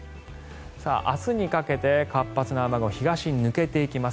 明日にかけて活発な雨雲東に抜けていきます。